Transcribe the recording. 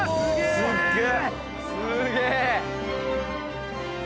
すっげえ！